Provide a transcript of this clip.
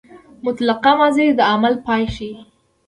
مطلقه ماضي د عمل پای ښيي.